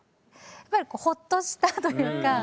やっぱりほっとしたというか。